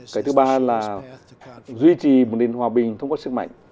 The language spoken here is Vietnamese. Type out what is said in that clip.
cái thứ ba là duy trì một nền hòa bình thông qua sức mạnh